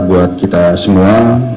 buat kita semua